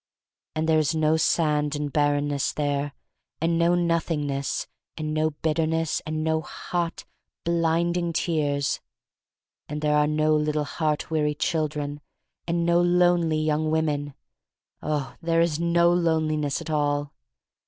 "And there is no sand and bar renness there, and no Nothingness, and no bitterness, and no hot, blinding tears. And there are no little heart weary children, and no lonely young women — oh, there is no loneliness at all!"